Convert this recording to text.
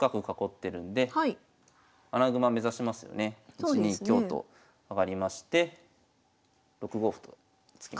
１二香と上がりまして６五歩と突きます。